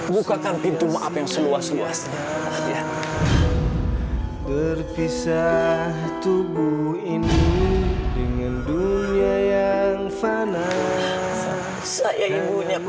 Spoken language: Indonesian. bukakan pintu maaf yang seluas luasnya terpisah tubuh ini dengan dunia yang fanat saya ibunya